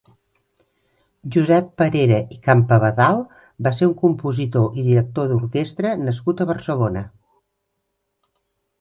Josep Parera i Campabadal va ser un compositor i director d'orquestra nascut a Barcelona.